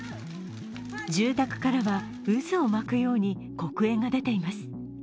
住宅からは渦を巻くように黒煙が出ています。